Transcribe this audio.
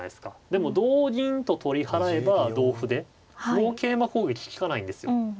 でも同銀と取り払えば同歩で同桂馬攻撃利かないんですよ。